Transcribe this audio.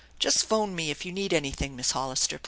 "Just phone me if you need anything, Miss Hollister.